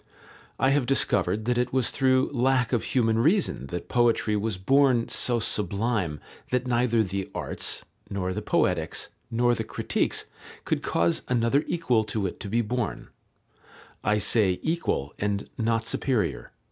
I have discovered that It was through lack of human reason that poetry was born so sublime that neither the Arts, nor the Poetics, nor the Critiques could cause another equal to it to be born, I say equal, and not superior."